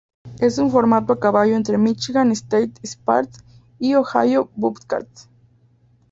Es un formado a caballo entre Michigan State Spartans y Ohio Bobcats.